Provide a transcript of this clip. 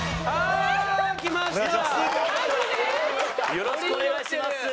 よろしくお願いします。